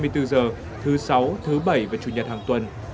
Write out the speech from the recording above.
thứ sáu thứ bảy và chủ nhật hàng tuần